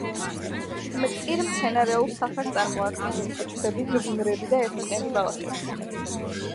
მწირ მცენარეულ საფარს წარმოადგენს ბუჩქები, გვიმრები და ერთწლიანი ბალახები.